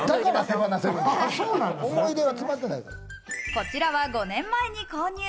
こちらは５年前に購入。